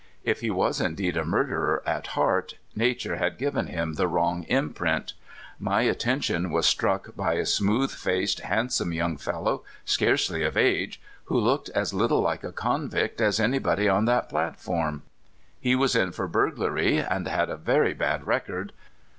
If he was indeed a murderer at heart, nature had given him the wrong imprint. My attention was struck by a smooth faced, handsome young fellow, scarcely of age, who looked as little like a convict as anybody on that platform. He was in for burglar}^ and had a very bad record.